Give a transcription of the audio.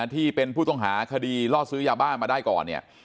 ที่เป็นผู้ต้องหาคดีล่อซื้อยาบ้ามาได้ก่อนเนี่ย